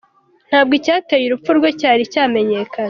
Ntabwo icyateye urupfu rwe cyari cyamenyekana.